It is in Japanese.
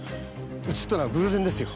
映ったのは偶然ですよ。